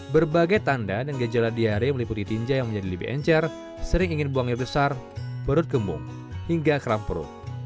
berbagai tanda dan gejala diare meliputi tinja yang menjadi lebih encer sering ingin buang air besar perut gembung hingga keram perut